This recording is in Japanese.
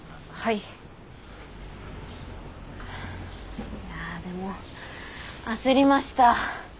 いやでも焦りました。